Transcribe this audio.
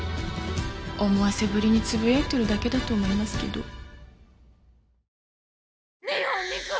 思わせぶりにつぶやいてるだけだと思いますけど。